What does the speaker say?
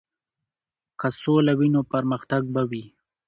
که سوله وي نو پرمختګ به وي.